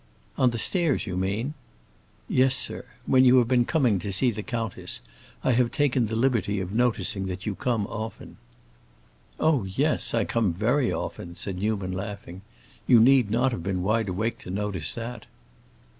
"On the stairs, you mean?" "Yes, sir. When you have been coming to see the countess. I have taken the liberty of noticing that you come often." "Oh yes; I come very often," said Newman, laughing. "You need not have been wide awake to notice that."